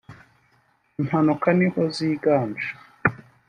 impanuka niho ziganje